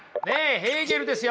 ヘーゲルですよ！